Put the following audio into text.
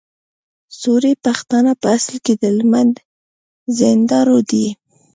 سوري پښتانه په اصل کي د هلمند د زينداور دي